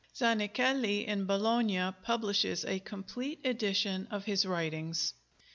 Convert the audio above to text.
Zanichelli in Bologna publishes a complete edition of his writings.